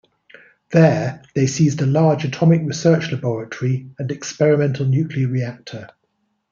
There they seized a large atomic research laboratory and experimental nuclear reactor.